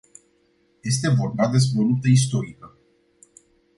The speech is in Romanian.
Este vorba despre o luptă istorică.